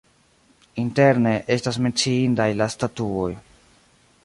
Interne estas menciindaj la statuoj.